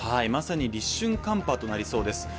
まさに立春寒波となりそうです。